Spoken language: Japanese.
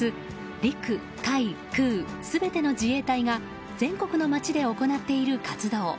陸海空全ての自衛隊が全国の街で行っている活動。